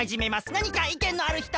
なにかいけんのあるひと？